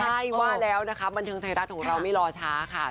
ใช่ว่าแล้วนะคะบันเทิงไทยรัฐของเราไม่รอช้าค่ะ